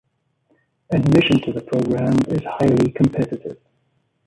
Admission to the programme is highly competitive.